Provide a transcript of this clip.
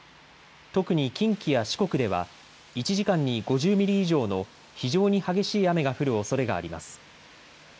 特に近畿や四国では１時間に５０ミリ以上の非常に激しい雨が降るおそれがあります。